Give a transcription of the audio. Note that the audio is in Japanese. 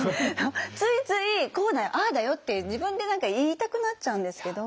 ついついこうだよああだよって自分で何か言いたくなっちゃうんですけど。